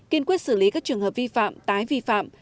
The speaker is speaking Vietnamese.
kiên quyết xử lý các trường hợp vi phạm